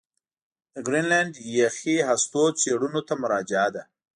د ګرینلنډ یخي هستو څېړنو ته مراجعه ده